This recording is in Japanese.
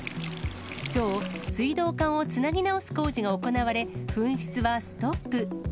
きょう、水道管をつなぎ直す工事が行われ、噴出はストップ。